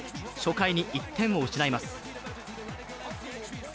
初回に１点を失います。